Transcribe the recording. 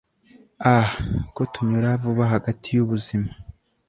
ah! ko tunyura vuba hagati yubuzima